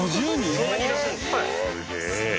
そんなにいらっしゃるんですか？